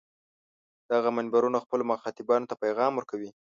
دغه منبرونه خپلو مخاطبانو ته پیغام ورکوي.